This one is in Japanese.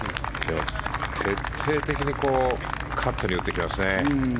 徹底的にカットに打っていきますね。